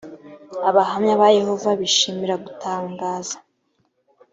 abahamya ba yehova bishimira gutangaza